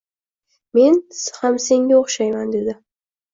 «Men ham senga o’xshayman» – dedi.